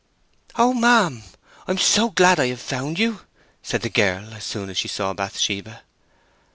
"Oh, ma'am! I am so glad I have found you," said the girl, as soon as she saw Bathsheba.